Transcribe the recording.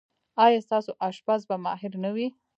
ایا ستاسو اشپز به ماهر نه وي؟